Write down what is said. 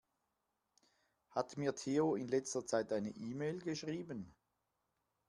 Hat mir Theo in letzter Zeit eine E-Mail geschrieben?